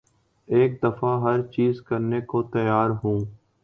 ایک دفعہ ہر چیز کرنے کو تیار ہوں